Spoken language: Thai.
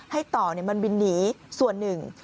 ต่อมันบินหนีส่วนหนึ่ง